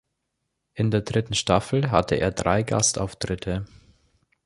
In der dritten Staffel hatte er drei Gastauftritte.